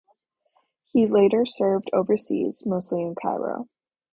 He later served overseas, mostly in Cairo.